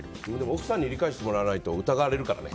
奥さんに理解してもらわないと疑われるからね。